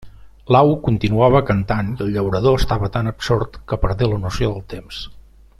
L'au continuava cantant i el llaurador estava tan absort que perdé la noció del temps.